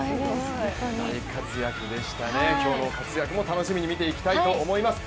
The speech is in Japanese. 大活躍でしたね、今日の活躍も楽しみに見ていきたいと思います。